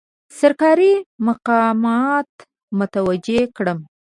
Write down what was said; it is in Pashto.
سرکاري مقامات متوجه کړم.